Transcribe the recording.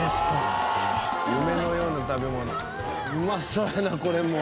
うまそうやなこれも。